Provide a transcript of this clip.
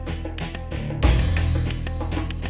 asal ini lahjdial nya